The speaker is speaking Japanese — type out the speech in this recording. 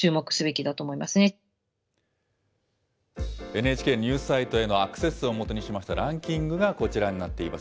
ＮＨＫのニュースサイトへのアクセス数を基にしましたランキングがこちらになっています。